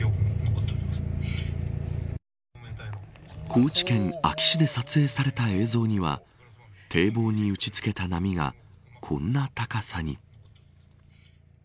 高知県安芸市で撮影された映像には堤防に打ち付けた波がこんな高さに。